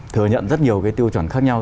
thừa nhận rất nhiều cái tiêu chuẩn khác nhau